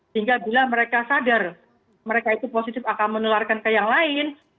sehingga bila mereka sadar mereka itu positif akan menularkan ke yang lain